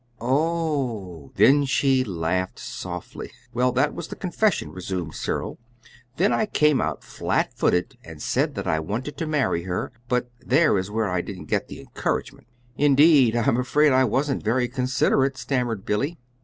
"Oh h!" Then she laughed softly. "Well, that was the confession," resumed Cyril. "Then I came out flat footed and said that I wanted to marry her but there is where I didn't get the encouragement!" "Indeed! I'm afraid I wasn't very considerate," stammered Billy.